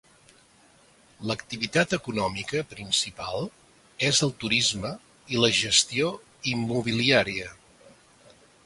L'activitat econòmica principal és el turisme i la gestió immobiliària.